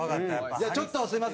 じゃあちょっとすいません。